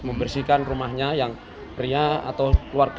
membersihkan rumahnya yang pria atau keluarga